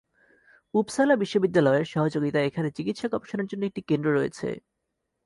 Uppsala বিশ্ববিদ্যালয়ের সহযোগিতায় এখানে চিকিৎসা গবেষণার জন্য একটি কেন্দ্র রয়েছে।